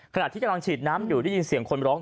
ขณะที่กำลังฉีดน้ำอยู่ได้ยินเสียงคนร้อง